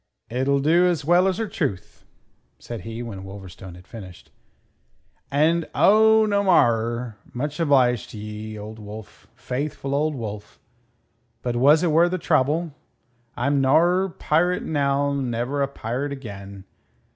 "It'll do as well asertruth," said he when Wolverstone had finished. "And... oh, no marrer! Much obliged to ye, Old Wolf faithful Old Wolf! But was it worthertrouble? I'm norrer pirate now; never a pirate again.